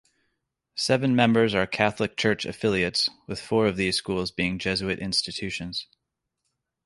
Seven members are Catholic Church affiliates, with four of these schools being Jesuit institutions.